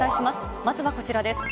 まずはこちらです。